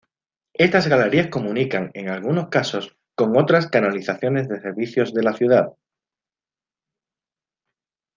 Estas galerías comunican, en algunos casos, con otras canalizaciones de servicios de la ciudad.